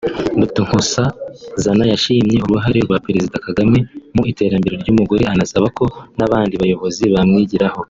Dr Nkosazana yashimye uruhare rwa Perezida Kagame mu iterambere ry’umugore anasaba ko n’abandi bayobozi bamwigiraho